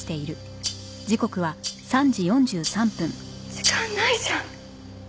時間ないじゃん！